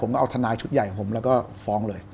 ก็เอาทนายชุดใหญ่ของผมแล้วก็ฟ้องเลย